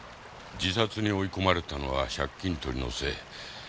自殺に追い込まれたのは借金取りのせい。